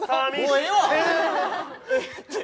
もうええわっ